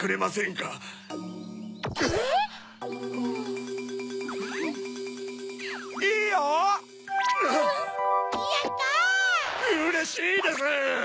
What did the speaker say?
うれしいです！